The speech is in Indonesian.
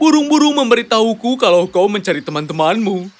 burung burung memberitahuku kalau kau mencari teman temanmu